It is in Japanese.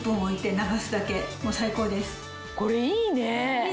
これいいね！